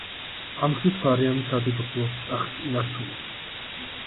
ამ გზით მარიამი სადედოფლო ტახტს ინარჩუნებდა.